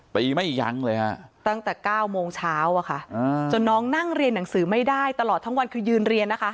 ไม่ยั้งเลยฮะตั้งแต่๙โมงเช้าอะค่ะจนน้องนั่งเรียนหนังสือไม่ได้ตลอดทั้งวันคือยืนเรียนนะคะ